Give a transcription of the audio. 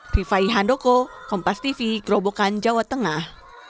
keteguhan kabupaten gerobokan jawa tengah